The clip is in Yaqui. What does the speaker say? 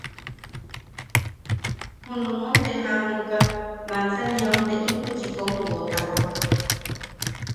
Junum te jaʼamuka, Manzaniau te intuchi kom woʼotawak.